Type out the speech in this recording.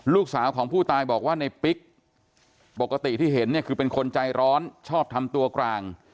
ลูกสาวของผู้ตายบอกว่าในปิ๊กปกติที่เห็นเนี่ยคือเป็นคนใจร้อนชอบทำตัวกลาง